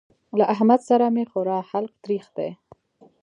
له احمد سره مې خورا حلق تريخ دی.